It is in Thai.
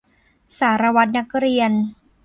สารวัตรนักเรียน